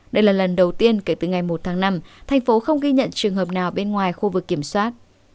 đây là lần đầu tiên kể từ ngày một tháng năm thành phố không ghi nhận trường hợp nào bên ngoài khu vực kiểm soát